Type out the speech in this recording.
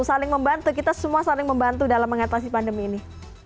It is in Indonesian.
saling membantu kita semua saling membantu dalam mengatasi pandemi ini